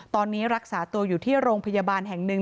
ตอนนี้รักษาตัวอยู่ที่โรงพยาบาลแห่งหนึ่ง